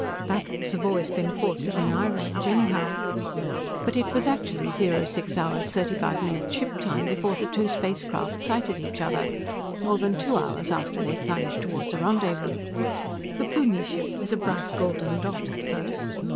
Battles have always been fought within eye range, anyhow. But it was actually 06 hours 35 minutes ship time before the two spacecraft sighted each other more than two hours after they plunged toward a rendezvous. The Plumie ship was a bright golden dot, at first.